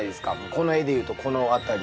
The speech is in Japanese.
この絵でいうとこの辺り。